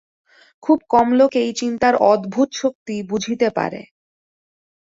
খুব কম লোকেই চিন্তার অদ্ভুত শক্তি বুঝিতে পারে।